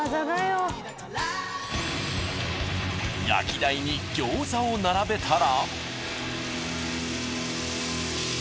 焼き台に餃子を並べたら。